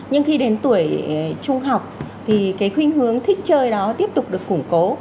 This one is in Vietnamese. nhưng khi đến tuổi trung học thì cái khuyên hướng thích chơi đó tiếp tục được củng cố